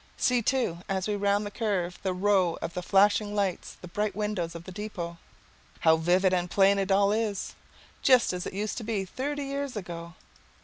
See, too, as we round the curve, the row of the flashing lights, the bright windows of the depot. How vivid and plain it all is. Just as it used to be thirty years ago.